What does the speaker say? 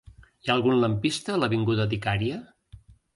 Hi ha algun lampista a l'avinguda d'Icària?